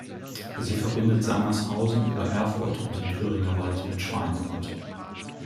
Sie verbindet Sangerhausen über Erfurt und den Thüringer Wald mit Schweinfurt.